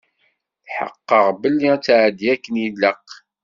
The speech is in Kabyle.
Tḥeqqeɣ belli ad tεeddi akken ilaq.